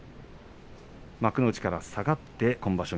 幕内から下がって今場所